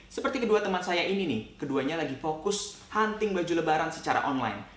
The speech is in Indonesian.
seperti kedua teman saya ini nih keduanya lagi fokus hunting baju lebaran secara online